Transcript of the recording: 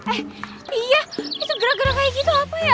eh iya bisa gerak gerak kayak gitu apa ya